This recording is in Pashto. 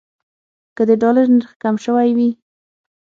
که د ډالر نرخ کم شوی وي.